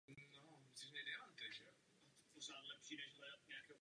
Je autorem Knih z oboru nákladních automobilů.